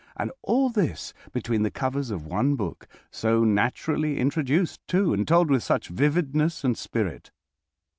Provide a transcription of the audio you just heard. And all this between the covers of one book, so naturally introduced, too, and told with such vividness and spirit.